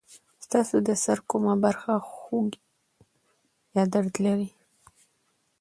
ستاسو د سر کومه برخه خوږ یا درد لري؟